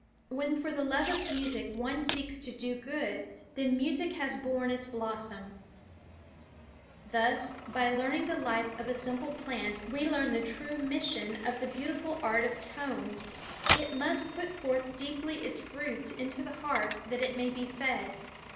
When for the love of music one seeks to do good then music has borne its blossom. Thus, by learning the life of a simple plant we learn the true mission of the beautiful art of tone. It must put forth deeply its roots into the heart that it may be fed.